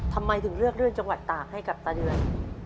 ทำไมถึงเลือกเรื่องจังหวัดตากให้กับตาเดือน